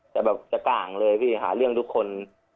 จะก่างเลยพี่หาเรื่องทุกคน